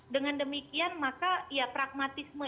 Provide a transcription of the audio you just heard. dengan demikian maka ya pragmatisme